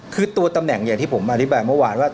คือตัวตำแหน่งอย่างที่ผมอธิบายเมื่อวานว่า